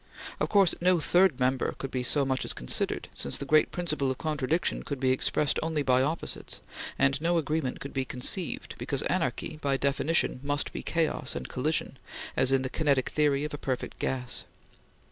Of course, no third member could be so much as considered, since the great principle of contradiction could be expressed only by opposites; and no agreement could be conceived, because anarchy, by definition, must be chaos and collision, as in the kinetic theory of a perfect gas.